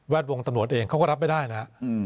แวดวงตำรวจเองเขาก็รับไปได้นะ